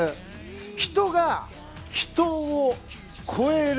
人が人を超える。